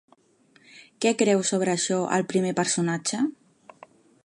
Què creu sobre això el primer personatge?